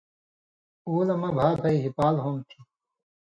”او لہ مہ بھا بھئ ہیپھال ہوم تھی،